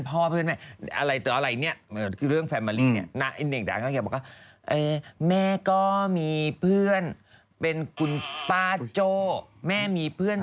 อ๋อไปทะเลาะกันที่อื่นไหม